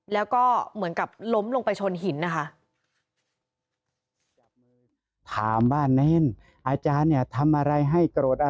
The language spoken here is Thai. แล้วก็เหมือนกับล้มลงไปชนหินนะคะ